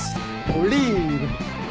オリーブ！